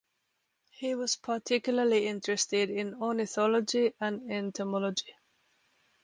He was particularly interested in ornithology and entomology.